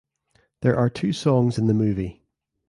There are two songs in the movie.